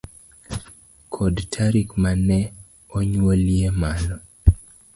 kod tarik ma ne onyuolie malo